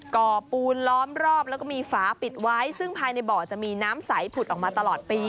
ก่อปูนล้อมรอบแล้วก็มีฝาปิดไว้ซึ่งภายในบ่อจะมีน้ำใสผุดออกมาตลอดปี